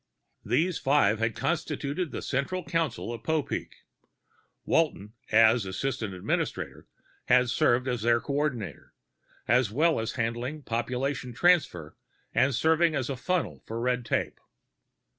These five had constituted the central council of Popeek. Walton, as assistant administrator, had served as their coordinator, as well as handling population transfer and serving as a funnel for red tape.